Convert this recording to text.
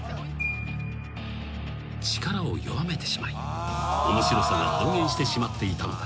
［力を弱めてしまい面白さが半減してしまっていたのだ］